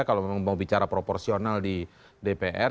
kalau memang mau bicara proporsional di dpr